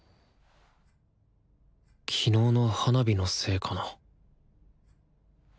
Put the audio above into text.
昨日の花火のせいかな